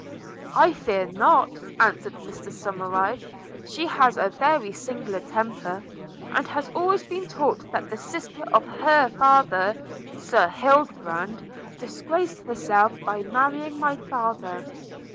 'I fear, not,' answered Mr Somerive. 'She has a very singular temper, and has always been taught that the sister of her father Sir Hildebrand disgraced herself by marrying my father.